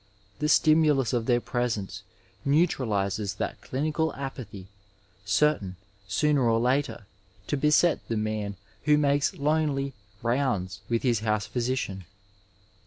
The stimulus of their presence neutralizes that clinical apathy certain, sooner or later, to beset the man who makes lonely ^' rounds " with his house physician.